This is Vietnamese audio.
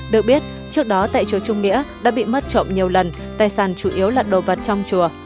được biết trước đó tại chùa trung nghĩa đã bị mất trộm nhiều lần tài sản chủ yếu là đồ vật trong chùa